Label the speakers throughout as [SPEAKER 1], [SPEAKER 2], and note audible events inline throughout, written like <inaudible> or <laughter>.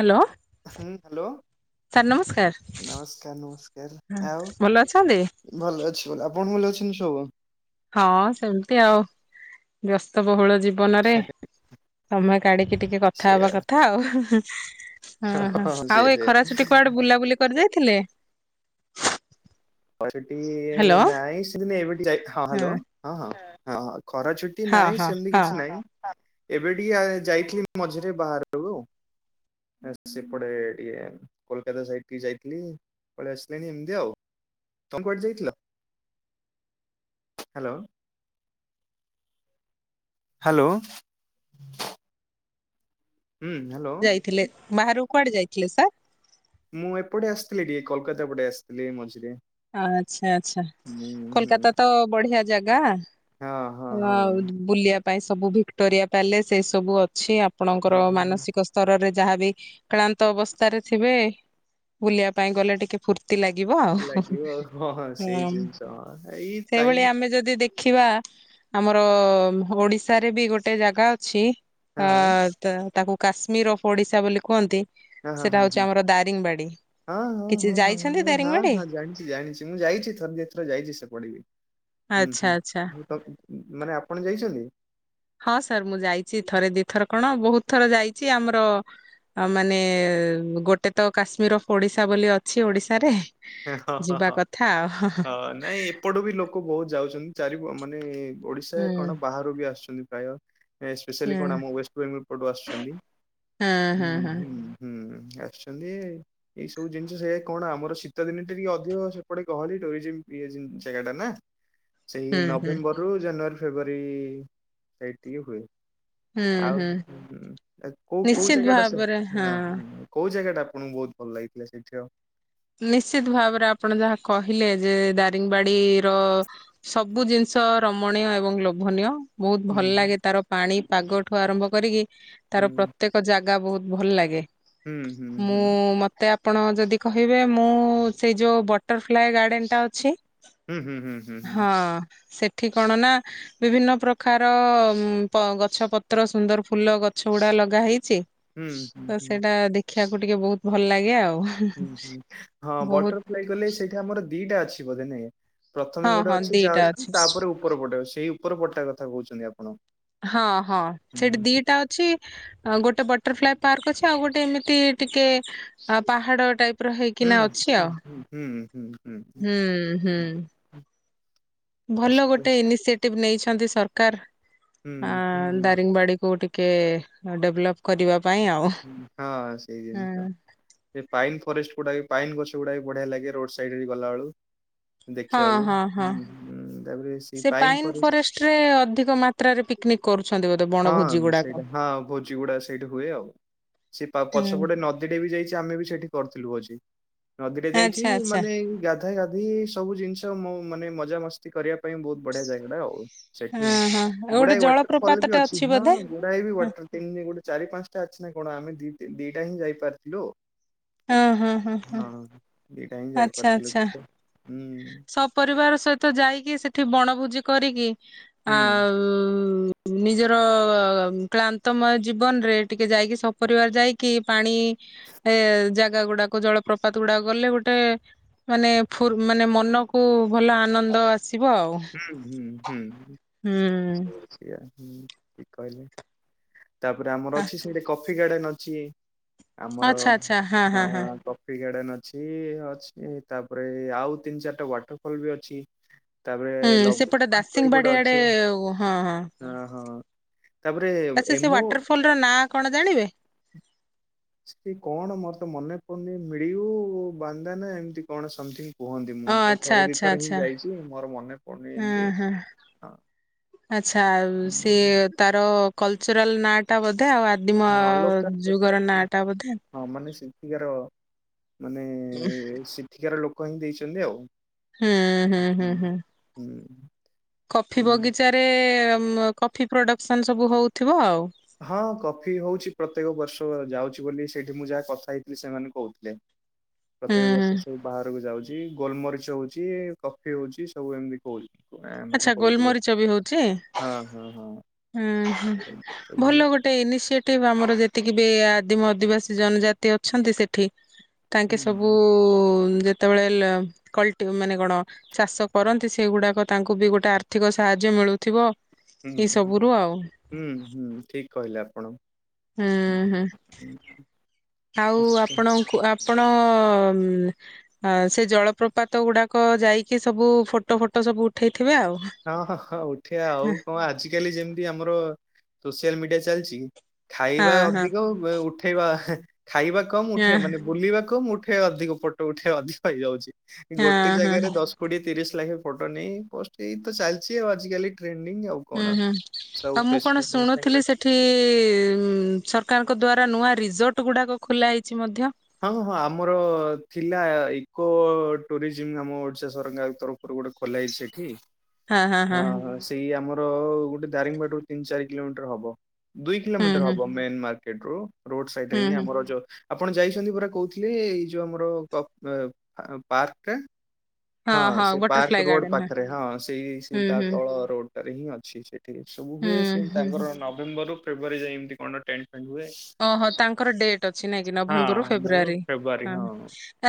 [SPEAKER 1] Hello.
[SPEAKER 2] ହୁଁ, hello
[SPEAKER 1] sir ନମସ୍କାର
[SPEAKER 2] ନମସ୍କାର୍ ନମସ୍କାର୍ ଆଉ
[SPEAKER 1] ଭଲ ଅଛନ୍ତି?
[SPEAKER 2] ଭଲ ଅଛି ଭଲ ଆପଣ ଭଲେ ଅଛନ୍ତି ସବୁ?
[SPEAKER 1] ହଁ, ସେମ୍ତି ଆଉ ବ୍ୟସ୍ତବୋହୁଳ ଯିବ୍ ଜୀବନରେ ସମୟ କାଢିକି ଟିକେ କଥା
[SPEAKER 2] ସେଇଆ
[SPEAKER 1] ହବା କଥା ଆଉ। ହଁ ହ
[SPEAKER 2] ସେ
[SPEAKER 1] ଆଉ ଏ
[SPEAKER 2] ସେ
[SPEAKER 1] ଖରା ଛୁଟି କୁଆଡେ ବୁଲାବୁଲି କରି ଯାଇଥିଲେ।
[SPEAKER 2] ଅଡିଟି
[SPEAKER 1] ହ୍ୟାଲୋ
[SPEAKER 2] ନାଇଁ ସେମିତି ଏବେ ଟି
[SPEAKER 1] ହଁ
[SPEAKER 2] ଯାଇ ଖରା ଛୁଟି
[SPEAKER 1] ହଁ
[SPEAKER 2] ନହିଁ
[SPEAKER 1] ହଁ
[SPEAKER 2] ସେମିତି
[SPEAKER 1] ହଁ
[SPEAKER 2] କିଛି ନହିଁ ଏବେ ଟିକେ ଯାଇଥିଲି ମଝିରେ ବାହାରକୁ ଆଉ ନା ସେପଟେ ଟିକେ କୋଲକାତା ସାଇଡ୍ ଟିକେ ଯାଇଥିଲି ପଳେଇ ଆସିଲିଣିି ଏମ୍ତି ଆଉ। ତମ ପଟେ ଯାଇଥିଲା? ହାଲୋ। ହାଲୋ। ହୁଁ, ହ୍ୟାଲୋ।
[SPEAKER 1] ଥିଲେ ବାହାରୁ କୁ କୁଆଡ଼େ ଯାଇଥିଲେ ସାର୍?
[SPEAKER 2] ମୁଁ ଏପଟେ ଆସିଥିଲି ଟିକେ କୋଲକାତା ପଟେ ଆସିଥିଲି ମଝିରେ।
[SPEAKER 1] ଆଚ୍ଛା ଆଚ୍ଛା
[SPEAKER 2] ହୁଁ ହୁଁ।
[SPEAKER 1] କୋଲକାତା ତ ବଢିଆ ଜାଗା।
[SPEAKER 2] ହଁ
[SPEAKER 1] ଆ
[SPEAKER 2] ହଁ
[SPEAKER 1] ବୁଲିବା ପାଇଁ ସବୁ ଭିକ୍ଟୋରିଆ ପ୍ୟାଲେସ ଏଇ ସବୁ ଅଛି ଆ ଆପଣଙ୍କର
[SPEAKER 2] ହଁ।
[SPEAKER 1] ମାନସିକ ସ୍ତରରେ ଯାହାବି କ୍ଳାନ୍ତ ଅବସ୍ଥାରେ ଥିବେ ବୁଲିବା ପାଇଁ ଗଲେ ଟିକେ ଫୁ ତ୍ତି ଲାଗିବ ଆଉ।
[SPEAKER 2] ହଁ ହଁ ସେଇ ଜିନିଷ ହଁ ଏଇ ଟାଇମ।
[SPEAKER 1] ଆମ ଯଦି ଦେ ଦେଖିବା ଆମର ଓଡିଶାରେ ବି ଗୋଟେ ଜାଗା ଅଛି
[SPEAKER 2] ହଁ
[SPEAKER 1] ଅ
[SPEAKER 2] ହଁ
[SPEAKER 1] ତ ତାକୁ କାଶ୍ମୀର ଅଫ୍ ଓଡିଶା ବୋଲି କୁହନ୍ତି।
[SPEAKER 2] ହଁ ହଁ
[SPEAKER 1] ସେଟା
[SPEAKER 2] ହଁ
[SPEAKER 1] ହଉଛି
[SPEAKER 2] ହଁ।
[SPEAKER 1] ଆମର ଦାରିଙ୍ଗବାଡି
[SPEAKER 2] ହଁ ହଁ
[SPEAKER 1] କିଛି
[SPEAKER 2] ହଁ ହଁ
[SPEAKER 1] ଯାଇଛନ୍ତି
[SPEAKER 2] ମୁଁ ହଁ
[SPEAKER 1] ଦାରିଙ୍ଗବାଡି?
[SPEAKER 2] ହଁ ଜାଣିଛି ଜାଣିଛି ମୁଁ ଯାଇଛି ଥର ଦିଥରେ ଯାଇଛି ସେପଟେବି ହୁଁ
[SPEAKER 1] ଆଚ୍ଛା ଆଚ୍ଛା
[SPEAKER 2] ହୁଁ। ମାନେ ଆପଣ ଯାଇଛନ୍ତି?
[SPEAKER 1] ହଁ ସାର୍ ମୁଁ ଯାଇଛି ଥରେ ଦି ଥର କଣ ବହୁତ ଥର ଯାଇଛି ଆମର ଆ ମାନେ ଗୋଟେ ତ କାଶ୍ମୀର ଅଫ ଓଡିଶା ବୋଲି ଅଛି ଓଡିଶାରେ।
[SPEAKER 2] ହେଁ ହଁ
[SPEAKER 1] ଯିବା
[SPEAKER 2] ହଁ
[SPEAKER 1] କଥା ଆଉ
[SPEAKER 2] ହଁ ନାଇଁ। ଏପଟୁ ବି ଲୋକ ବହୁତ ଯାଉଛନ୍ତି ଚାରି ମାନେ ଓଡିଶା
[SPEAKER 1] ହୁଁ
[SPEAKER 2] କଣ ବାହାରୁ ବି ଆସୁଛନ୍ତି ପ୍ରାୟ। ସ୍ପେସିୟାଲି
[SPEAKER 1] ହୁଁ
[SPEAKER 2] କଣ ଆମ ୱେଷ୍ଟବେଙ୍ଗଲ ପଟୁ ଆସୁଛନ୍ତି।
[SPEAKER 1] ହଁ ହଁ ହଁ
[SPEAKER 2] ହୁଁ ଆସିଛନ୍ତି ଏଇ ସବୁ ଜିନିଷ ସେଇା କଣ ଆମର ଶୀ ଶୀତ ଦିନି ଟିକେ ଅଧିକ ସେପଟେ ଗହଲି ରହଜିନ ପିଇଜିନ ଜାଗାଟା ନା? ସେଇ
[SPEAKER 1] ହୁଁ ହୁଁ
[SPEAKER 2] ନଭେମ୍ବରରୁୁ ଜାନୁଆରୀ ଫେବୃଆରୀ ସେଇ ଟିକି ହୁଏ।
[SPEAKER 1] ହୁଁ ହୁଁ
[SPEAKER 2] ଆଉ କୋଉ କୋଉ
[SPEAKER 1] ନିଶ୍ଚିତ
[SPEAKER 2] ଜାଗା ଟା ସେ
[SPEAKER 1] ଭାବରେ ହଁ
[SPEAKER 2] ଅହଁ। କୋଉ ଜାଗାଟା ଆପଣଙ୍କୁ ବହୁତ ଭଲ ଲାଗିଥିଲା ସେଇଠି ଆଉ?
[SPEAKER 1] ନିଶ୍ଚିତ ଭାବରେ ଆପଣ ଯାହା କହିଲେ ଯେ ଦାରିଙ୍ଗବାଡି ର। ସବୁ ଜିନିଷ ରମଣୀୟ ଏବଂ ଲୋଭନୀୟ। ବହୁତ
[SPEAKER 2] ହୁଁ
[SPEAKER 1] ଭଲ ଲାଗେ ତାର ପାଣି ପାଗଠୁ ଆରମ୍ଭ କରିକି ତାର ପ୍ର
[SPEAKER 2] ହୁଁ
[SPEAKER 1] ତେକ ଜାଗା ବହୁତ ଭଲ ଲାଗେ
[SPEAKER 2] ହୁଁ
[SPEAKER 1] ମୁଁ
[SPEAKER 2] ହୁଁ
[SPEAKER 1] ମତେ ଆପଣ ଯଦି କହିବେ ମୁଁ ସେଇ ଯୋଉ ବଟରଫ୍ଲାଏ ଗାର୍ଡ଼େନଟା ଅଛି।
[SPEAKER 2] ହୁଁ ହୁଁ ହୁଁ ହୁଁ ହୁଁ।
[SPEAKER 1] ହଁ ସେଠି କଣ ନା ବିଭିନ୍ନ ପ୍ରକାର ଵ ଗଛ ପତ୍ର ସୁନ୍ଦର ଫୁଲ ଗଛ ଗୁଡା ଲଗା ହେଇଛି।
[SPEAKER 2] ହୁଁ ହୁଁ
[SPEAKER 1] ତ
[SPEAKER 2] ହୁଁ ହୁଁ
[SPEAKER 1] ସେଇଟା ଦେଖିବାକୁ ଟିକେ ବହୁତ ଭଲ ଲାଗେ ଆଉ।
[SPEAKER 2] ହୁଁ ହଁ
[SPEAKER 1] ବହୁତ
[SPEAKER 2] ବଟରଫ୍ଲାଇ କଲେ ସେଇଟା ଆମର ଦିଟା ଅଛି ବୋଧେ ନାଇଁ। ପ୍ରଥମେ
[SPEAKER 1] ହଁ
[SPEAKER 2] ଗୋଟେ
[SPEAKER 1] ହଁ
[SPEAKER 2] ଅଛି ଯାହା
[SPEAKER 1] ଦିଟା
[SPEAKER 2] ଅଛି ତାପରେ ଉପର ପଟେ ସେଇ ଉପର ପଟ ଟା କଥା କହୁଛନ୍ତି ଆପଣ?
[SPEAKER 1] ହଁ ହଁ
[SPEAKER 2] ହୁଁ
[SPEAKER 1] ସେଠି ଦିଟା ଅଛି। ଗୋଟେ ବଟରଫ୍ଲାଏ ପାର୍କ ଅଛି ଆଉ ଗୋଟେ ଏମିତି ଟିକେ ଆ ପାହାଡ ଟାଇପ ର। ର
[SPEAKER 2] ହୁଁ
[SPEAKER 1] ହେଇକିନା ଅଛି
[SPEAKER 2] ହୁଁ
[SPEAKER 1] ଆଉ
[SPEAKER 2] ହୁଁ ହୁଁ ହୁଁ
[SPEAKER 1] ହୁଁ ହୁଁ। ଭଲ
[SPEAKER 2] ହୁଁ।
[SPEAKER 1] ଗୋଟେ ଇନିସିଏଟିଭ ନେଇଛନ୍ତି ସରକାର ଆ
[SPEAKER 2] ହୁଁ
[SPEAKER 1] ଦାରିଙ୍ଗବାଡି କୁ ଟିକ କେ ଡେଭଲପ୍ କରିବା ପାଇଁ ଆଉ।
[SPEAKER 2] ହଁ ସେଇ
[SPEAKER 1] ହୁଁ
[SPEAKER 2] ଜିନିଷ। ସେ ପାଇନ ଫରେଷ୍ଟ ଗୁଡା ପାଇନ ଗଛ ଗୁଡା ବି ବଢିଆ ଲାଗେ ରୋଡ ସାଇଡରେ ବି ଗଲା ବେଳକୁ।
[SPEAKER 1] ହଁ
[SPEAKER 2] ଦେଖିବାକୁ
[SPEAKER 1] ହଁ ହଁ
[SPEAKER 2] ହୁଁ ତାପରେ ସେ ପାଇନ ଫ
[SPEAKER 1] ରେ ଅଧିକ ମାତ୍ରାରେ ପି ୟୁନିକ କରୁଛନ୍ତି ବୋଧେ ବୁ।
[SPEAKER 2] ହଁ ସେଇଟା ହଁ ଭୋଜି ଗୁଡା ସେଇଠି ହୁଏ ଆଉ ସେ
[SPEAKER 1] ହୁଁ
[SPEAKER 2] ପଛପଟେ ନଦୀ। ସେଟା ବି ଯାଇଛି ଆମେ ବି ସେଠି କରିଥିଲୁ ଭୋଜି ନଦୀଟେ ଯାଇଛି
[SPEAKER 1] ଆଚ୍ଛା ଆଚ୍ଛା
[SPEAKER 2] ମାନେ ଗା ଧା ଗାଧା ଗାଧି ସବୁ ଜିନିଷ ମୋ ମାନେ ମଜା ମସ୍ ସେ କରିବା ପାଇଁ ବହୁତ ବଢିଆ ଜାଗାଟା ଆଉ ସେଠି
[SPEAKER 1] ହଁ ହଁ ଗୋଟେ
[SPEAKER 2] ଗୁଡାଏ
[SPEAKER 1] ଜଳପ୍ରପାତ
[SPEAKER 2] ୱାଟରଫଲ ବି
[SPEAKER 1] ଟେ
[SPEAKER 2] ଅଛି ହଁ।
[SPEAKER 1] ବୋଧେ
[SPEAKER 2] ଗୁଡ଼ାଏ ବି ୱାଟର ତିନ ଗୋଟେ ଚାରି ପାଞ୍ଚଟା ଅଛି ନା କଣ ଆମେ ଦି ଦିଟା ହିଁ ଯାଇପାରି ଥିଲୁ। ହଁ ଏଇଟାହିଁ
[SPEAKER 1] ଆଚ୍ଛା
[SPEAKER 2] ଯାଇପାରିଥିଲୁ
[SPEAKER 1] ଆଚ୍ଛା
[SPEAKER 2] ତ ହୁଁ।
[SPEAKER 1] ସପରିବାର ସହିତ ଯାଇକି ସେଠି ବଣଭୋଜି କରିକି
[SPEAKER 2] ହୁଁ।
[SPEAKER 1] ଆଉ ନିଜର କ୍ଲାନ୍ତମୟ ଜୀବନରେ ଟିକେ ଯାଇକି ସପରିବାର ଯାଇକି ପାଣି ଏ ଜାଗା ଗୁଡାକ ଜଳପ୍ରପାତ ଗୁଡାକ ଗଲେ ଗୋଟେ ମାନେ ଫୁର ମାନେ ମନକୁ ଭଲ ଆନନ୍ଦ ଆସିବ ଆଉ
[SPEAKER 2] ହଁ ହୁଁ ହୁଁ ସେୟା ହୁଁ କହିଲେ ତାପରେ ଆମର ଅଛି ସେଇଠି କଫି ଗାର୍ଡେନ ଅଛି ଆମର ହଁ ତ ଫ୍ରୀ ଗାର୍ଡେନ ଅଛି ଅଛି ତାପରେ ଆଉ ତିନି ଚାରିଟା ୱାଟର ଫଲ ବି ଅଛି ତାପରେ ଲଗୁଜ୍ ପଏଣ୍ଟ କହି ଗୋଟେ ଅଛି
[SPEAKER 1] ଓ ହଁ ହଁ
[SPEAKER 2] ଆ ହଁ ତାପରେ
[SPEAKER 1] ଆଛା ସେ
[SPEAKER 2] ଏମୋ
[SPEAKER 1] ୱାଟରଫଲର ନାଁ କଣ ଜାଣିବେ
[SPEAKER 2] ସେଠି କଣ ମୋର ତ ମନେ ପଡୁନି ମିଡିଉ ବାନ୍ଦାନା ଏମିତି କଣ ସମଥିଙ୍ଗ କୁହନ୍ତି
[SPEAKER 1] ଓ
[SPEAKER 2] ମୁଁ ତ
[SPEAKER 1] ଆଚ୍ଛା
[SPEAKER 2] ଥରେ ଦୁଇ
[SPEAKER 1] ଆଚ୍ଛା
[SPEAKER 2] ଥର ହିଁ
[SPEAKER 1] ଆଚ୍ଛା
[SPEAKER 2] ଯାଇଛି ମୋର ମନେ ପଡୁନି ଏମିତି ହଁ
[SPEAKER 1] ଆଛା ଆଉ ସିଏ ତାର କଲଚରାଲ ନା ଟା ବୋଧେ ଆଉ ଆଦିମ
[SPEAKER 2] ହଁ ଲୋକାଲ
[SPEAKER 1] ଯୁଗର ନାଁ ଟା ବୋଧେ
[SPEAKER 2] ହଁ ମାନେ ସେଠିକାର ମାନେ ସେଠିକାର ଲୋକ ହିଁ ଦେଇଛନ୍ତି ଆଉ
[SPEAKER 1] ହୁଁ ହୁଁ ହୁଁ ହୁ
[SPEAKER 2] ହୁଁ
[SPEAKER 1] କଫି ବଗିଚାରେ ମ କଫି ପ୍ରଡ଼କ୍ସନ୍ ସବୁ ହଉଥିବ ଆଉ
[SPEAKER 2] ହଁ କଫି ହଉଛି ପ୍ରତ୍ୟେକ ବର୍ଷ ଯାଉଛି ବୋଲି ସେଠି ମୁଁ ଯାହା କଥା ହେଇଥିଲି ସେମାନେ କହୁଥିଲେ
[SPEAKER 1] ହ୍ୟ <inaudible>
[SPEAKER 2] ପ୍ରତ୍ୟେକ ବର୍ଷ ସେ ବାହାରକୁ ଯାଉଛି ଗୋଲମରିଚ ହଉଛି କଫି ହଉଛି ସବୁ ଏମିତି ହେଉଚି
[SPEAKER 1] ଆଛା ଗୋଲମରିଚ ବି ହଉଛି
[SPEAKER 2] ହଁ ହ ହଁ
[SPEAKER 1] ହୁଁ ହଁ
[SPEAKER 2] ସବୁ
[SPEAKER 1] ଭଲ ଗୋଟେ ଟେ ଇନିସିଏଟିଭ ଆମର ଯେତିକି ବି ଆଦିମ ଆଦିବାସୀ ଜନଜାତି ଅଛନ୍ତି ସେଠି ତାଙ୍କେ
[SPEAKER 2] ହୁଁ।
[SPEAKER 1] ସବୁ ଯେତେବେଳେ ଲ ଖଲ୍ଟି ମାନେ କଣ ଚାଷ କରନ୍ତି ସେଗୁଡାକ ତାଙ୍କୁ ବି ଗୋଟେ ଆର୍ଥିକ ସାହାର୍ଯ୍ୟ ମିଳୁଥିବ
[SPEAKER 2] ହୁଁ
[SPEAKER 1] ଏଇ
[SPEAKER 2] ହୁଁ
[SPEAKER 1] ସବୁରୁ ଆଉ
[SPEAKER 2] ହୁଁ ହୁଁ ଠିକ୍ କହିଲେ ଆପଣ ହୁଁ <inaudible>
[SPEAKER 1] ଆଉ ଆପଣଙ୍କୁ ଆପଣଅ ହଁ ସେ ଜଳପ୍ରପାତ ଗୁଡାକ ଯାଇକି ସବୁ ଫଟୋ ଫଟୋ ସବୁ ଉଠେଇଥିବେ ଆଉ
[SPEAKER 2] ହଁ ହଁ ହଁ ଉଠିବା ଆଉ
[SPEAKER 1] ହଁ
[SPEAKER 2] କଣ ଆଜି କାଲି ଯେମିତି ଆମର ସୋସିଆଲ ମିଡିଆ ଚାଲିଛି ଖାଇବା
[SPEAKER 1] ହଁ
[SPEAKER 2] ଅଧିକ ଉଠେଇବା ହ୍ ଖାଇବା କମ୍
[SPEAKER 1] ହଁ
[SPEAKER 2] ଉଠେଇ ମାନେ ବୁଲିବା କମ୍ ଉଠେ ଉଠେ ଅଧିକ ଫଟୋ ଉଠେ ଅଧିକ ହେଇଯାଉଛି
[SPEAKER 1] ହଁ
[SPEAKER 2] ଗୋଟେ
[SPEAKER 1] ହଁ
[SPEAKER 2] ଜାଗାରେ ଦଶ କୋଡିଏ ତିରିଶ ଲାଖେ ଫଟୋ ନେଇ ପୋଷ୍ଟ ଏଇ ତ ଚାଲିଛି ଆଉ ଆଜିକାଲି ଟ୍ରେଣ୍ଡିଙ୍ଗ ଆଉ
[SPEAKER 1] ହୁଁ
[SPEAKER 2] କଣ।
[SPEAKER 1] ହୁଁ
[SPEAKER 2] ସବୁ
[SPEAKER 1] ଆଉ ମୁଁ କଣ
[SPEAKER 2] ଫେସବୁକ୍
[SPEAKER 1] ଶୁଣୁଥିଲି
[SPEAKER 2] ଇନଷ୍ଟାଗ୍ରାମ
[SPEAKER 1] ସେଠ୍ ଠି ସରକାରଙ୍କ ଦ୍ଵାରା ନୂଆ ରିଜୋର୍ଟ ଗୁଡାକ ଖୋଲା ହେଇଛି ମଧ୍ୟ
[SPEAKER 2] ହଁ ହଁ ହଁ ଆମର ଥିଲା ଇକୋ ଟୁରିଜିମ ଆମ ଓଡିଶା ସରକାରଙ୍କ ତରଫରୁ ଉପର ଗୋଟେ ଖୋଲା ହେଇଚି ସେଠି। ହଁ ହଁ ସେଇ ଆମର ଗୋଟେ ଦାରିଙ୍ଗିବାଡିରୁ ତିନି ଚାରି କିଲୋମିଟର ହବ। ଦୁଇ
[SPEAKER 1] ହୁଁ
[SPEAKER 2] କିଲୋମିଟର
[SPEAKER 1] ହୁଁ
[SPEAKER 2] ହବ ମେନେ ମାକେଟେରୁ ରୋଡ ସାଇଟି
[SPEAKER 1] ହୁଁ
[SPEAKER 2] ହଁ
[SPEAKER 1] ହୁଁ
[SPEAKER 2] ଆମର ଯଉ ଆପଣ ଯାଇ କାଲି ପରା କହୁଥିଲି ଏଇ ଯୋଉ ଆମର ପା ପାର୍କ ଟା। ହଁ ସେ ପାର୍କ ରୋଡ ପାଖରେ ହଁ ସେଇ ସେ
[SPEAKER 1] ହଁ
[SPEAKER 2] ତା
[SPEAKER 1] ହୁଁ
[SPEAKER 2] ତଳ ରୋଡ ଟାରେ ହିଁ ଅଛି ସେ। ସବୁ
[SPEAKER 1] ହୁଁ
[SPEAKER 2] ହୁଏ
[SPEAKER 1] ହୁଁ
[SPEAKER 2] ସେ
[SPEAKER 1] ହୁଁ ହୁଁ
[SPEAKER 2] ତାଙ୍କର ନମ୍ଭେଵ ରରୁ ଫେବୃୟାରୀ ଯାଇଏ ଏମତି କଣ ଟେଣ୍ଟେ ଫେଣ୍ଟେ ହୁଏ।
[SPEAKER 1] ଓହୋ ତାଙ୍କର ଡେଟେ ଅଛି ନାଇଁ କି ନଭେମ୍ବରରୁ
[SPEAKER 2] ହଁ
[SPEAKER 1] ଫେବୃଆାରୀ
[SPEAKER 2] ଫେବୃୟାରୀ
[SPEAKER 1] ହଁ।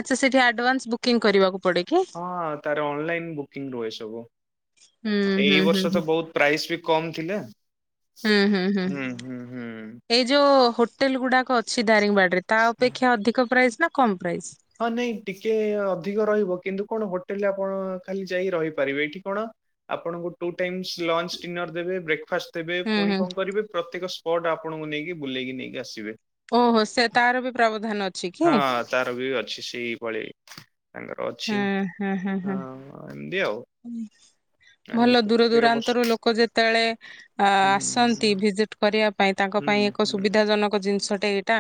[SPEAKER 1] ଆଚ୍ଛା ସେଠି ଆଡଭାନ୍ସ ବୁକିଂ କରିବାକୁ? ପଡେ କି
[SPEAKER 2] ହଁ ତାର ଅନଲାଇନ୍ ବୁକିଂ ରୁହେ ସବୁ
[SPEAKER 1] ହୁଁ
[SPEAKER 2] ଏଇ
[SPEAKER 1] ହୁଁ ହୁଁ
[SPEAKER 2] ବର୍ଷ
[SPEAKER 1] ହୁଁ
[SPEAKER 2] ତ ବହୁତ ପ୍ରାଇସ୍ ବି କମ୍ ଥିଲା।
[SPEAKER 1] ହୁଁ ହୁଁ ହୁଁ
[SPEAKER 2] ହୁଁ ହୁଁ।
[SPEAKER 1] ଏଇ ଯୋଉ ହୋଟେଲେ ଗୁଡାକ ଅଛି ଦାରିଙ୍ଗିବାଡ଼ି ରେ। ତା ଅପେକ୍ଷା ଅଧିକ ପ୍ରାଇସ୍ ନା କମ୍ ପ୍ରାଇସ୍?
[SPEAKER 2] ଅନେକ ଟିକେ ଅଧିକ ରହିବ କିନ୍ତୁ କଣ ହୋଟେଲେ ଆପଣ ଖାଲି ଯାଇ ରହିପାରିବେ କି କଣ? ଆପଣଙ୍କୁ ଟୁ ଟାଇମିସ୍ ଲଞ୍ଚ ଡିନର ଦେବେ ବ୍ରେକ୍ଫାଷ୍ଟେ ତେବେ
[SPEAKER 1] ହୁଁ
[SPEAKER 2] ପୁଣି
[SPEAKER 1] ହୁଁ
[SPEAKER 2] କଣ କରିବେ ପ୍ରତ୍ୟେକ ସ୍ପଟ୍ ଆପଣଙ୍କୁ ନେଇକି ବୁଲେଇକି ନେଇକି ଆସିବେ।
[SPEAKER 1] ଓହୋ ସେ ତାର ବି ପ୍ରଭଧାନ ଅଛି କି?
[SPEAKER 2] ହଁ ତାର ବି ଅଛି ସେଇଭଳି ତାଙ୍କର ଅଛି
[SPEAKER 1] ହୁଁ ହୁଁ ହୁଁ ହୁଁ।
[SPEAKER 2] ହଁ ଏନ୍ତି ଆଉ। ଆ
[SPEAKER 1] ଭଲ
[SPEAKER 2] ତ
[SPEAKER 1] ଦୂର
[SPEAKER 2] ପ୍ରତ୍ୟେକ ବର୍ଷ
[SPEAKER 1] ଦୂରାନ୍ତରୁ ଲୋକ ଯେତେବେଳେ ଆ
[SPEAKER 2] ହୁଁ
[SPEAKER 1] ଆସନ୍ତି ଭିଜିଟ୍ କରିବା ପାଇଁ ତାଙ୍କ
[SPEAKER 2] ହୁଁ
[SPEAKER 1] ପାଇଁ ଏକ
[SPEAKER 2] ହୁଁ
[SPEAKER 1] ସୁବିଧା ଜନକ ଜିନିଷଟେ ଏଇଟା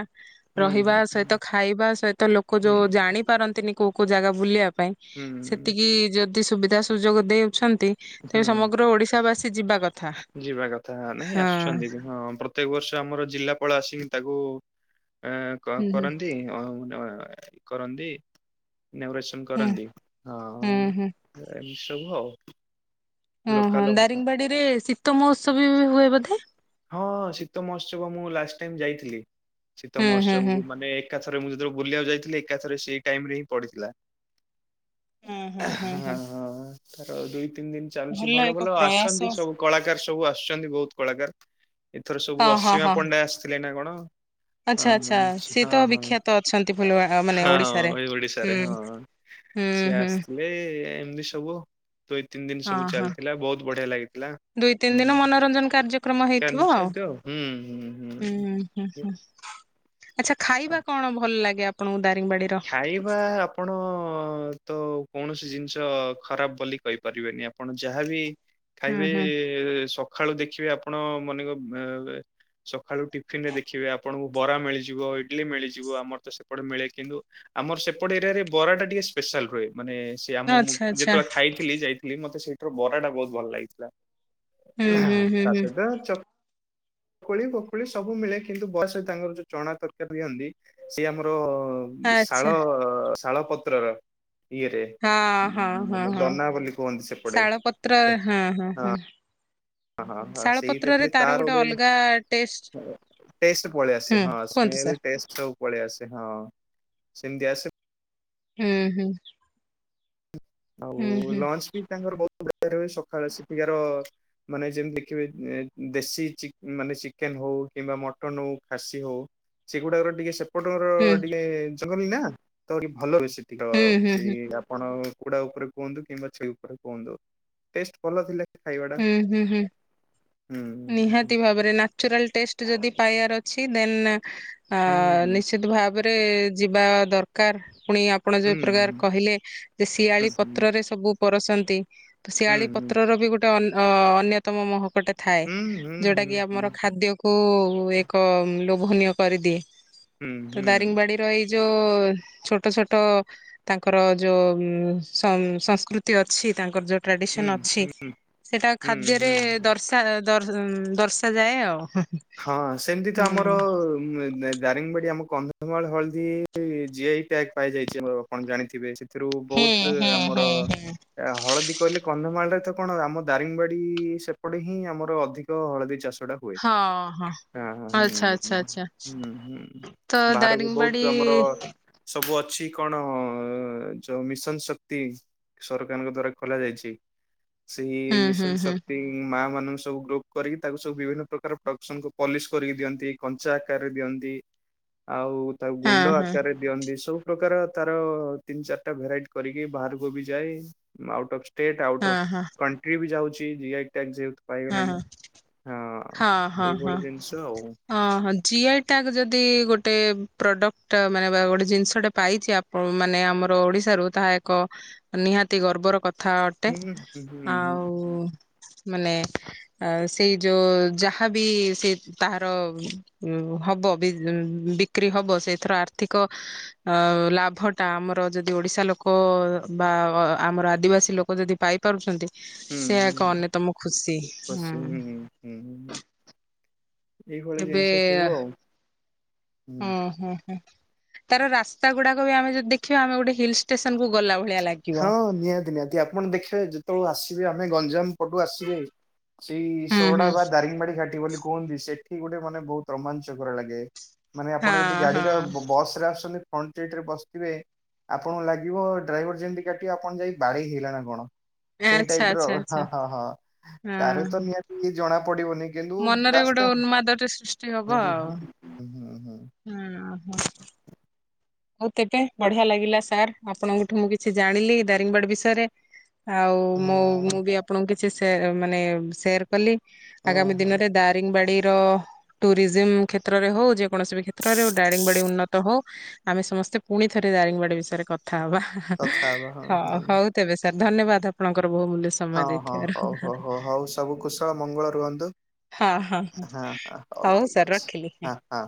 [SPEAKER 2] ହୁଁ
[SPEAKER 1] ରହିବା ସେ ତ ଖାଇବା ସହିତ ଲୋକ
[SPEAKER 2] ହୁଁ
[SPEAKER 1] ଯୋଉ ଜାଣିପାରନ୍ତିନି କୋଉ କୋଉ ଜାଗା ବୁଲିବା ପାଇଁ।
[SPEAKER 2] ହୁଁ ହୁଁ
[SPEAKER 1] ସେତିକି ଯଦି ସୁବିଧା ସୁଯୋଗ ଦେଉଛନ୍ତି। ତେବେ
[SPEAKER 2] ହୁଁ
[SPEAKER 1] ସମଗ୍ର ଓଡିଶା ବାସୀ ଯିବା କଥା ହଁ।
[SPEAKER 2] ହଁପ୍ର ପ୍ରତ୍ୟେକ ବର୍ଷ ଆମର ଜିଲ୍ଲାପାଳ ଆସି ତାକୁ ଆ କ
[SPEAKER 1] ହୁଁ ହୁଁ
[SPEAKER 2] କରନ୍ତି ଅଂ ଅଂ। କରନ୍ତି ଇନାଗୋରେସନ୍
[SPEAKER 1] ହୁଁ
[SPEAKER 2] କରନ୍ତି
[SPEAKER 1] ହୁଁ
[SPEAKER 2] ହଁ
[SPEAKER 1] ହୁଁ।
[SPEAKER 2] ଏ ଇସବୁ ଆଉ।
[SPEAKER 1] ହଁ ହଁ
[SPEAKER 2] ଲୋକାଲ
[SPEAKER 1] ଦାରିଙ୍ଗିବାଡି ରେ ଶୀତ ମହୋତ୍ସବ ବି ହୁଏ ବୋଧେ?
[SPEAKER 2] ହଁ ଶୀତ ମହୋତ୍ସବ ମୁଁ ଲାଷ୍ଟେ ଟାଇମ୍ ଯାଇଥିଲି ଶୀତ
[SPEAKER 1] ହୁଁ ହୁଁ ହୁଁ।
[SPEAKER 2] ମହୋତ୍ସବବୁ ମାନେ ଏକାଥରେ ମୁଁ ଯେତେବେଳେ ବୁଲିବାକୁ ଯାଇଥିଲି ଏକାଥରେ ସେଇ ଟାଇମ୍ ରେ ହିଁ ପଡିଥିଲା।
[SPEAKER 1] ହୁଁ ହୁଁ ହୁଁ ହୁଁ
[SPEAKER 2] ହାଂ ହଁ ତାର ଦୁଇ ତିନି ଦିନି ଚାଲୁଛି ଭଲ
[SPEAKER 1] ଏକ
[SPEAKER 2] ଭଲ
[SPEAKER 1] ପ୍ରୟାସ।
[SPEAKER 2] ଆସୁଛନ୍ତି ସବୁ କଳାକାର ସବୁ ଆସୁଛନ୍ତି ବହୁତୁ କଳାକାର। ଏଥର ସବୁ
[SPEAKER 1] ହଁ ହଁ
[SPEAKER 2] ଅସୀମା
[SPEAKER 1] ହଁ
[SPEAKER 2] ପଣ୍ଡା ଆସିଥିଲେ ନା କଣ? ହଁ
[SPEAKER 1] ଆଚ୍ଛା ଆଚ୍ଛା
[SPEAKER 2] ହଁ
[SPEAKER 1] ସିଏ
[SPEAKER 2] ହଁ
[SPEAKER 1] ତ
[SPEAKER 2] ହଁ
[SPEAKER 1] ବିଖ୍ୟାତ ଅଛନ୍ତି ଫୁଲୁବାର ମାନେ ଓଡିଶାରେ
[SPEAKER 2] ହଁ ଏଇ ଓଡିଶାରେ
[SPEAKER 1] ହୁଁ। ହୁଁ ହୁଁ।
[SPEAKER 2] ଏ ଏମିତି ସବୁ। ଦୁଇ ତିନି ଦିନି
[SPEAKER 1] ହଁ
[SPEAKER 2] ସବୁ
[SPEAKER 1] ହଁ
[SPEAKER 2] ଚାଲିଥିଲା ବହୁତ୍ ବଢିଆ ଲାଗିଥିଲା ହୁଁ।
[SPEAKER 1] ରଞନ କାର୍ଯ୍ୟକ୍ରମ ହେ
[SPEAKER 2] କ୍ୟାନଛ ତ ହୁଁ ହୁଁ।
[SPEAKER 1] ଆଛା ଖାଇବା କଣ ଭଲ ଲାଗେ ଆପଣଙ୍କୁ ଦାରିଙ୍ଗବାଡିର?
[SPEAKER 2] ଖାଇବା ଆପଣ ତ କୌଣସି ଜିନିଷ ଖରାପ ବୋଲି କହିପାରିବେନି ଆମେ। ଆପଣ ଯାହାବି
[SPEAKER 1] ହୁଁ
[SPEAKER 2] ଖାଇବେ
[SPEAKER 1] ହୁଁ।
[SPEAKER 2] ସକାଳୁ ଦେଖିବେ ଆପଣ ମନେର ସକାଳୁ ଟିଫିନ ରେ ଦେଖିବେ ଆପଣଙ୍କୁ ବରା ମିଳିଯିବ ଇଟିଲି ମିଳିଯିବ ଆମର ତ ସେପଟେ ମିଳେ କିନ୍ତୁ ଆମର ସେପଟ ଏରିଆରେ ବରା ଟା ଟିକେ ସ୍ପେଶାଲ ରୁହେ ମାନେ ସେ ଆମୁ
[SPEAKER 1] ଆଚ୍ଛା ଆଚ୍ଛା
[SPEAKER 2] ଯେତେବେଳେ ଖାଇ ବୁଲି ଯାଇଥିଲି ମତେ ସେଇଥର ବରା ଟା ବହୁତ୍ ଭଲ ଲାଗିଥିଲା
[SPEAKER 1] ହୁଁ ହୁଁ ହୁଁ
[SPEAKER 2] ତା
[SPEAKER 1] ହୁଁ
[SPEAKER 2] ସହିତ ଚପ୍। ଖୋଳି ପୋକୋଳି ସବୁ ମିଳେ କିନ୍ତୁ ବୟସ ତାଙ୍କର ଯୋଉ ଚଣା ତରକାରୀ ଦିଅନ୍ତି ସିଏ ଆମର
[SPEAKER 1] ଆଚ୍ଛା
[SPEAKER 2] ଶାଳ ଶାଳ ପତ୍ରର ଇଏରେ
[SPEAKER 1] ହଁ ହଁ
[SPEAKER 2] ଦନା ବୋଲି କୁହନ୍ତି ସେପଟେ
[SPEAKER 1] ତ୍ର ହଁ ହଁ ହଁ
[SPEAKER 2] ହଁ ହଁ
[SPEAKER 1] ଶାଳ
[SPEAKER 2] ସେଇଟା
[SPEAKER 1] ପତ୍ରରେ
[SPEAKER 2] ଖାଲି
[SPEAKER 1] ତାର ଗୋଟେ ଅଲଗା ଟେଷ୍ଟ
[SPEAKER 2] ଟେଷ୍ଟ ପଳେଇ ଆସେ
[SPEAKER 1] ହୁଁ
[SPEAKER 2] ହଁ
[SPEAKER 1] କୁହନ୍ତୁ
[SPEAKER 2] ସ୍ମେଲ
[SPEAKER 1] ସାର୍
[SPEAKER 2] ଟେଷ୍ଟ ସବୁ ପଳେଇ ଆସେ ହଁ ସେମିତି ଆସେ
[SPEAKER 1] ହୁଁ ହୁଁ ହୁଁ
[SPEAKER 2] ଆଉ
[SPEAKER 1] ହୁଁ
[SPEAKER 2] ଲଞ୍ଚ ବି ତାଙ୍କର ବହୁତ ପ୍ରକାର ହୁଏ ସକାଳ ସେଠିକାର ମାନେ ଯେମିତି ଦେଖିବେ ଦେଶୀ ଚି ମାନେ ଚିକେନ୍ ହଉ କିମ୍ବା ମଟନ୍ ହଉ ଖାସି ହଉ ସେଗୁଡ଼ାକର ଟିକେ ସେପ୍ ଏପଟର
[SPEAKER 1] ହୁଁ
[SPEAKER 2] ଟିକେ ଜଙ୍ଗଲି ନା ତ ଟିକେ ଭଲ ବେଶି ଶୀତ
[SPEAKER 1] ହୁଁ ହୁଁ
[SPEAKER 2] ସେଇ
[SPEAKER 1] ହୁଁ।
[SPEAKER 2] ଆପଣ କୁକୁଡ଼ା ଉପରେ କୁହନ୍ତୁ କିମ୍ବା ଛେଳି ଉପରେ କୁହନ୍ତୁ ଟେଷ୍ଟ ଭଲ ଥିଲେ
[SPEAKER 1] ହୁଁ ହୁଁ ହୁଁ
[SPEAKER 2] ହୁଁ
[SPEAKER 1] ନିହାତି ଭାବରେ ନାଚୁରାଲ ଟେଷ୍ଟ ଯଦି ପାଇବାର ଅଛି ଦେନ୍
[SPEAKER 2] ହୁଁ
[SPEAKER 1] ଆ--ନିସ୍
[SPEAKER 2] ହୁଁ
[SPEAKER 1] ତି ଭାବରେ ଯିବା ଦରକାର ପୁଣି ଆପ୍ ଆପଣ ଯଉପ୍ରକାର କହିଲେ ଯେ
[SPEAKER 2] ହୁଁ
[SPEAKER 1] ଶିଆଳି ପତ୍ରରେ ସବୁ ପରସନ୍ତି
[SPEAKER 2] ହୁଁ
[SPEAKER 1] ଶିଆଳି
[SPEAKER 2] ହୁଁ
[SPEAKER 1] ପତ୍ର ର ବି ଗୋଟେ ଅ ଅନ୍ୟତମ ମହକୋଟେ ଥାଏ
[SPEAKER 2] ହୁଁ ହୁଁ ହୁଁ ହୁଁ ହୁଁ
[SPEAKER 1] ଯୋଉଟା କି ଆମର
[SPEAKER 2] ହୁଁ
[SPEAKER 1] ଖାଦ୍ୟକୁ କୁ ଏକ ଲୋଭନୀୟ କରିଦିଏ
[SPEAKER 2] ହୁଁ
[SPEAKER 1] ତ
[SPEAKER 2] ହୁଁ
[SPEAKER 1] ଦାରିଙ୍ଗବାଡ଼ି ଏଇ ଯୋ ଛୋଟ ଛୋଟ ତାଙ୍କର ଯୋ ଉଁ ସଂ ସଂସ୍କୃତି ଅଛି ତାଙ୍କର ଯୋ ଟ୍ରାଡିସନ ଅଛି
[SPEAKER 2] ହୁଁ
[SPEAKER 1] ସେଟା
[SPEAKER 2] ହୁଁ
[SPEAKER 1] ଖାଦ୍ୟରେ
[SPEAKER 2] ହୁଁ ହୁଁ
[SPEAKER 1] ଦର୍ଶା ଦ ଉଁ ଦର୍ଶାଯାଏ ଆଉ
[SPEAKER 2] ହଁ ସେମିତି ତ ଆମର ମେ ଦେ ଦାରିଙ୍ଗବାଡି ଆମ କନ୍ଧମାଳ ହଳଦୀ ଜିଆଇ ଟ୍ୟାଗ ପାଇଯାଇଚି ଆପଣ ଜାଣିଥିବେ ତ୍ରୁ
[SPEAKER 1] ହୁଁ
[SPEAKER 2] ବଉତ୍
[SPEAKER 1] ହୁଁ ହୁଁ
[SPEAKER 2] ଆମର
[SPEAKER 1] ହୁଁ।
[SPEAKER 2] ଆ ହଳଦୀ କହିଲେ କନ୍ଧମାଳରେ ତ କଣ ଆମ ଦାରିଙ୍ଗବାଡି ସେପଟେ ହିଁ ଆମର ଅଧିକ ହଳଦୀ ଚାଷଟା ହୁଏ
[SPEAKER 1] ଅଁ ହଁ
[SPEAKER 2] ହଁ ହୁଁ
[SPEAKER 1] ଆଛା ଆଛା ଆଛା
[SPEAKER 2] ହୁଁ ହୁଁ ହୁଁ।
[SPEAKER 1] ତ
[SPEAKER 2] ବାହାରକୁ ବହୁତ ଆମର
[SPEAKER 1] ଦାରିଙ୍ଗବାଡ଼ି
[SPEAKER 2] ସବୁ ଅଛି କଣ ଓଁ ଯୋ ମିଶନ ଶକ୍ତି ସରକାରଙ୍କ ଦ୍ଵାରା ଖଲା ଯାଇଛି ସେଇ
[SPEAKER 1] ହୁଁ ହୁଁ
[SPEAKER 2] ମିଶନ
[SPEAKER 1] ହୁଁ
[SPEAKER 2] ଶକ୍ତି ମାଆଁ ମାନଙ୍କୁ ସବୁ ଗ୍ରୁପ କରିକି ତାକୁ ସବୁ ବିଭିନ୍ନ ପ୍ରକାର ପ୍ର ତାଙ୍କୁ ପଲିସ କରିକି ଦିଅନ୍ତି କଞ୍ଚା ଆକାରରେ ଦିଅନ୍ତି ଆଉ ତା
[SPEAKER 1] ହଁ
[SPEAKER 2] ଗୁଣ୍ଡ
[SPEAKER 1] ହଁ
[SPEAKER 2] ଆକାରରେ ଦିଅନ୍ତି ସବୁ ପ୍ରକାର ତାର ତିନ୍ ଚାରଟା ଭେରାଇଟି କରିକି ବାହାରକୁ ବି ଯାଏ ଆଉଟ ଅଫ୍ ସ୍ ଷ୍ଟେଟ୍ ଆଉଟ
[SPEAKER 1] ହଁ
[SPEAKER 2] ଅଫ୍
[SPEAKER 1] ହଁ
[SPEAKER 2] କଣ୍ଟ୍ରି ବି ଯାଉଚି ଜିଆଇ ଟ୍ୟାଗ ଯେହେତୁ ପାଇଗଲାଣି
[SPEAKER 1] ହଁ ହଁ
[SPEAKER 2] ହଁ
[SPEAKER 1] ହଁ
[SPEAKER 2] ଏଇଭଳି ଜିନିଷ ଆଉ
[SPEAKER 1] ଅଁ ହଁ ଜିଆଇ ଟ୍ୟାଗ ଯଦି ଗୋଟେ ପ୍ରଡ଼କ୍ଟ ମାନେ ବା ଗୋଟେ ଜିନିଷଟେ ପାଇଛି ମାନେ ଆମର ଓଡିଶାରୁ ତାହା ଏକ ନିହାତି ଗର୍ବର କଥା ଅ ଟେ
[SPEAKER 2] ହୁଁ ହୁଁ ହୁଁ ହୁଁ
[SPEAKER 1] ଆଉ ମାନେ ଆ ସେଇ ଯୋ ଯାହାବି ସେ ତାହାର ଉଁ ହବ ବି ଉଁ ବିକ୍ରି ହବ ସେଥର ଆର୍ଥିକ ଆଁ ଲାଭ ଟା ଆମର ଯଦି ଓଡିଶା ଲୋକ ବା ଆମର ଆଦିବାସୀ ଲୋକ ଯଦି ପାଇ କରୁଛନ୍ତି
[SPEAKER 2] ହୁଁ
[SPEAKER 1] ସେ
[SPEAKER 2] ହୁଁ।
[SPEAKER 1] ଏକ ଅନେ ତମ ଖୁସି ହୁଁ
[SPEAKER 2] <unintelligible> ହୁଁ ହୁଁ ଏଇଭଳି
[SPEAKER 1] ଏବେ
[SPEAKER 2] ଜିନିଷ ସବୁ ଆଉ।
[SPEAKER 1] ହୁଁ ହୁଁ ତାର ରାସ୍ତା ଗୁଡା ବି ଆମେ ଯଦି ଦେଖିବା, ଆମେ ଗୋଟେ ହିଲ ଷ୍ଟେସନକୁୁ ଗଲା ବ
[SPEAKER 2] ହଁ ନିହାତି ନିହାତି, ଆପଣ ଦେଖିବେ, ଯେତେବେଳେ ଆସିବେ ଆମେ ଗଞ୍ଜାମ ପଟୁ ଆସିବେ ସେଇ
[SPEAKER 1] ହୁଁ
[SPEAKER 2] ସୋଟା
[SPEAKER 1] ହୁଁ।
[SPEAKER 2] ଦାରିଙ୍ଗବାଡି ଘାଟି ବୋଲି କୁହନ୍ତି, ସେଠି ଗୋଟେ ମାନେ ବହୁତ ରୋମାଞ୍ଚକର ଲାଗେ। ମାନେ ଆପଣ ଯଦି
[SPEAKER 1] ହଁ ହଁ
[SPEAKER 2] ଗାଡିର, ବସ୍ ରେ ଆସୁଚନ୍ତି ଫ୍ରଣ୍ଟସିଟରେ ବସିଥିବେ, ଆପଣଙ୍କୁ ଲାଗିବ, ଡ୍ରାଇଭର ଯେମତି ଠିଆ ଠିଆ ଆପଣ ଯାଇ ବାଡେଇ ହେଇଗଲାନା କଣ? ସେଇ
[SPEAKER 1] ଆଚ୍ଛା
[SPEAKER 2] ଟାଇପର,
[SPEAKER 1] ଆଚ୍ଛା
[SPEAKER 2] ହା
[SPEAKER 1] ଆଚ୍ଛା
[SPEAKER 2] ହା ହଁ, କାରେତ
[SPEAKER 1] ହଁ।
[SPEAKER 2] ନିହାତି ଜଣା ପଡିବନି। କିନ୍ତୁ
[SPEAKER 1] ମନରେ ଗୋଟେ
[SPEAKER 2] ରାସ୍ତା
[SPEAKER 1] ଉନ୍ମାଦଟେ ସୃଷ୍ଟି
[SPEAKER 2] <unintelligible> ହୁଁ ହୁଁ।
[SPEAKER 1] ହୁଁ ହୁଁ। ହଉ ତେବେ, ବଢିଆ ଲାଗିଲା ସାର, ଆପଣଙ୍କଠୁ ମୁଁ କିଛି ଜାଣିଲି ଦାରିଙ୍ଗବାଡି ବିଷୟରେ। ଆଉ
[SPEAKER 2] ହଁ
[SPEAKER 1] ମୁ, ମୁଁ ବି ଆପଣଙ୍କୁ କିଛି ସେ, ମାନେ ସେୟାର କଲି,
[SPEAKER 2] ହଁ
[SPEAKER 1] ଆଗାମୀ
[SPEAKER 2] ହଁ
[SPEAKER 1] ଦିନରେ ଦାରିଙ୍ଗବାଡିର ଟୁରିଜିମ କ୍ଷେତ୍ରରେ ହଉ ଯେ କୌଣସି ବି କ୍ଷେତ୍ରରେ ଡାରିଙ୍ଗବାଡ଼ି ଉନ୍ନତ ହୋ ଆମେ ସମସ୍ତେ ପୁଣି ଥରେ ଦାରିଙ୍ଗବାଡ଼ି ବିଷୟରେ କଥା ହବା,
[SPEAKER 2] କଥା ହବା ହଁ
[SPEAKER 1] ହ
[SPEAKER 2] ହଁ।
[SPEAKER 1] ହଉ ତେବେ ସାର ଧନ୍ୟବାଦ ଆପଣଙ୍କର ବହୁ ମୂଲ୍ୟ ସ
[SPEAKER 2] ହଁ ହଁ, ହଉ ହଉ ହଉ ହଉ, ସବୁ କୁଶଳ ମଙ୍ଗଳ ରୁହନ୍ତୁ। ହଁ ହ, ହଉ
[SPEAKER 1] ସାର୍
[SPEAKER 2] ଠିକ ଅଛି
[SPEAKER 1] ରଖିଲି।
[SPEAKER 2] ହଁ ହଁ।